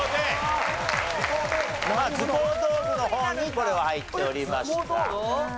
図工道具の方にこれは入っておりました。